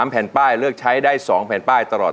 แผ่นป้ายเลือกใช้ได้๒แผ่นป้ายตลอด